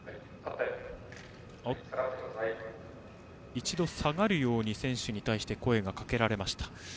一度下がるように選手に対して声がかけられました。